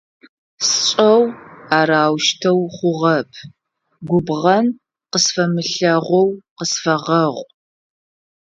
Сшӏэу арэущтэу хъугъэп! Губгъэн къысфэмылъэгъоу къысфэгъэгъу.